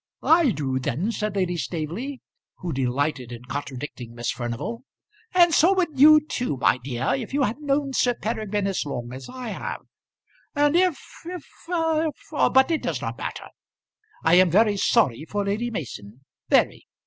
"I do then," said Lady Staveley, who delighted in contradicting Miss Furnival. "And so would you too, my dear, if you had known Sir Peregrine as long as I have. And if if if but it does not matter. I am very sorry for Lady Mason, very.